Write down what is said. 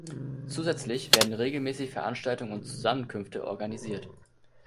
Zusätzlich werden regelmäßig Veranstaltungen und Zusammenkünfte organisiert.